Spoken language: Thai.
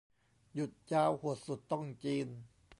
หยุดยาวโหดสุดต้องจีน